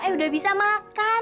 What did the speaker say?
eh udah bisa makan